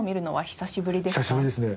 久しぶりですね。